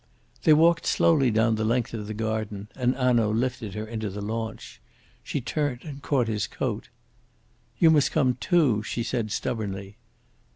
They walked slowly down the length of the garden, and Hanaud lifted her into the launch. She turned and caught his coat. "You must come too," she said stubbornly.